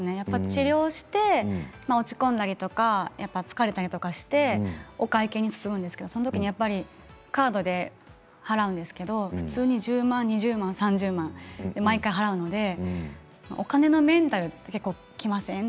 治療して落ち込んだりとか疲れたりとかしてお会計に進むんですけどそのときにカードで払うんですけど、普通に１０万２０万３０万毎回払うのでお金のメンタル結構きません？